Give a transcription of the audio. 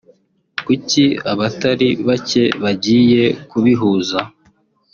Kuki abatari bake bagiye babihuza